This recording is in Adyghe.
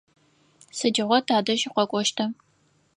Сыдигъо тадэжь укъэкӏощта?